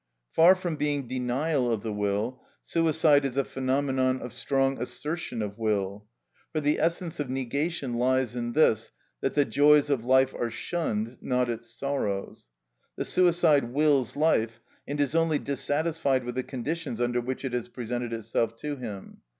Far from being denial of the will, suicide is a phenomenon of strong assertion of will; for the essence of negation lies in this, that the joys of life are shunned, not its sorrows. The suicide wills life, and is only dissatisfied with the conditions under which it has presented itself to him.